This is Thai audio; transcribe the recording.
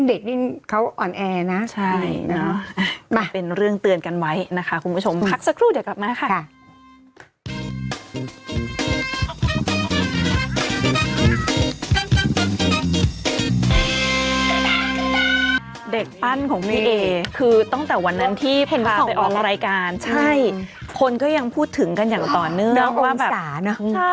เด็กปั้นของพี่เอคือตั้งแต่วันนั้นที่พาไปออกรายการใช่คนก็ยังพูดถึงกันอย่างต่อเนื่องว่าแบบ